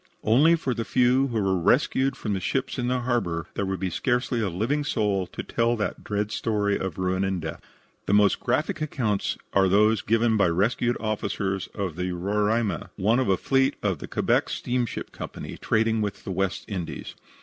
Only for the few who were rescued from the ships in the harbor there would be scarcely a living soul to tell that dread story of ruin and death. The most graphic accounts are those given by rescued officers of the Roraima, one of the fleet of the Quebec Steamship Co., trading with the West Indies.